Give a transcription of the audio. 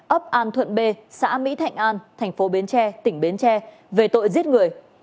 ấp an thuận b xã mỹ thạnh an thành phố bến tre tỉnh bến tre về tội giết người